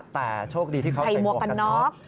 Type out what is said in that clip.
แต่โชคดีที่เขาใส่หมวกกันน็อก